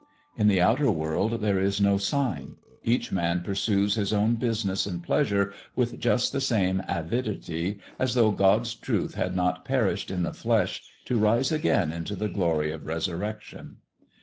In the outer world there is no sign; each man pursues his own business and pleasure with just the same avidity as though God's Truth had not perished in the flesh to rise again into the glory of resurrection.